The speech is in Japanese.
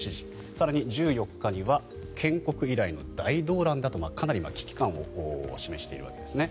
更に１４日には建国以来の大動乱だとかなり危機感を示しているわけです。